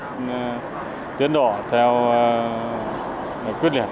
chúng tôi sẽ tiến đổi theo quyết liệt